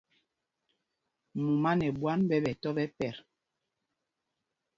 Mumá nɛ ɓwân ɓɛ tɔ́ ɓɛ pɛt.